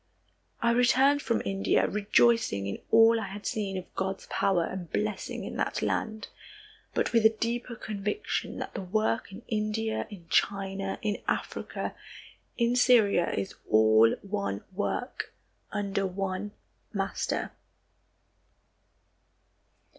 I returned from India, rejoicing in all I had seen of God's power and blessing in that land, but with a deeper conviction that the work in India, in China, in Africa, in Syria is all one work, under one Master.